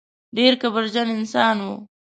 ډېر کبرجن انسان و.